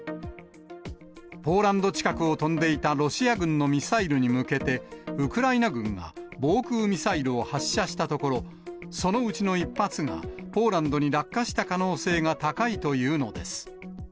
ポーランド近くを飛んでいたロシア軍のミサイルに向けて、ウクライナ軍が防空ミサイルを発射したところ、そのうちの１発がポーランドに落下した可能性が高いというのです。